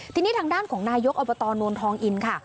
ทีนี้ทางด้านของนายกอบตนวลทองอินค่ะ